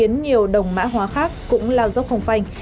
nhiều đồng mã hóa khác cũng lao dốc phòng phanh